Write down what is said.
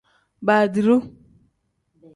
Baadiru.